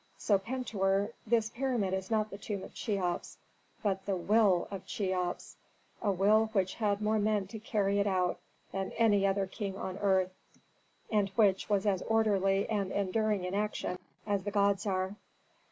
So, Pentuer, this pyramid is not the tomb of Cheops, but the will of Cheops, a will which had more men to carry it out than had any king on earth, and which was as orderly and enduring in action as the gods are.